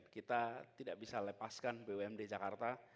kita tidak bisa lepaskan bumd jakarta